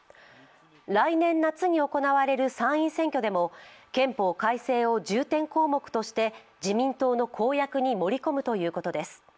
来年夏に行われる参院選挙でも憲法改正を重点項目として自民党の公約に盛り込むということです。